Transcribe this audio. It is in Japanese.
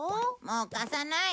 もう貸さない！